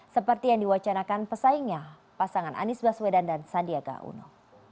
seperti yang diwacanakan pesaingnya pasangan anies baswedan dan sandiaga uno